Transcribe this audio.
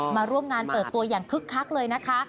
มาร่วมงานเปิดตัวอย่างคึกคักเลยนะคะ